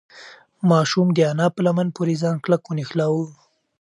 ماشوم د انا په لمن پورې ځان کلک ونښلاوه.